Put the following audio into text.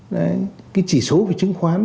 cái chỉ số về chứng khoán